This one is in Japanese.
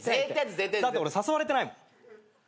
だって俺誘われてないもん。